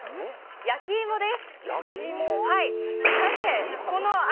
焼き芋です。